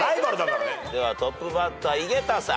ではトップバッター井桁さん。